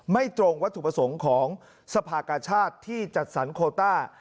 ตรงวัตถุประสงค์ของสภากชาติที่จัดสรรโคต้า